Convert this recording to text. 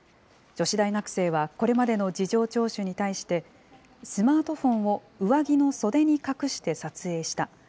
女子大学生はこれまでの事情聴取に対して、スマートフォンを上着の袖に隠して撮影した。